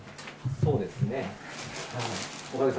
そうですね。